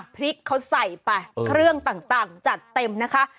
พริกเขาใส่ไปเครื่องต่างจัดเต็มนะคะ